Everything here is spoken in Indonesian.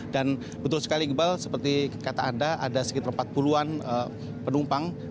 dan betul sekali iqbal seperti kata anda ada sekitar empat puluh an penumpang